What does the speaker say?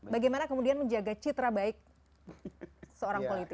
bagaimana kemudian menjaga citra baik seorang politisi